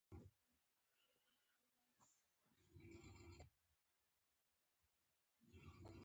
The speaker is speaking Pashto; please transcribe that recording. موږ د کلي په جومات کې لمونځ کوو